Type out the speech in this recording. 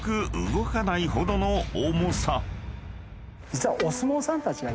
実は。